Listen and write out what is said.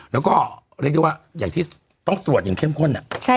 แล้วก็เรียกได้ว่าอย่างที่ต้องตรวจอย่างเข้มข้น